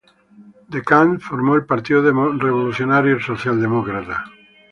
De Camps formó el Partido Revolucionario Social Demócrata.